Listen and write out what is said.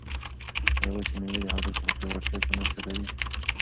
آیا وچې مېوې د هډوکو په پیاوړتیا کې مرسته کوي؟